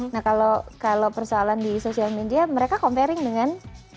nah kalau persoalan di sosial media mereka comparing dengan